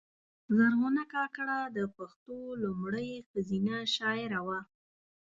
زرغونه کاکړه د پښتو لومړۍ ښځینه شاعره وه .